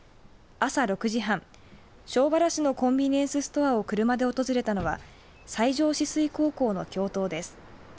朝６時半庄原市のコンビニエンスストアを車で訪れたのは西条紫水高校の教頭です。